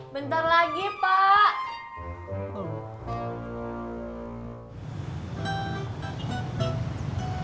bentar lagi pak